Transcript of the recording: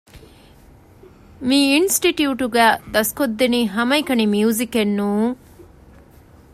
މި އިންސްޓިޓިއުޓުގައި ދަސްކޮށްދެނީ ހަމައެކަނި މިއުޒިކެއް ނޫން